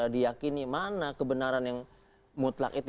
diakini mana kebenaran yang mutlak itu